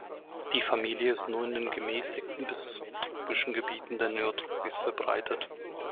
Die Familie ist nur in den gemäßigten bis subtropischen Gebieten der Neotropis verbreitet.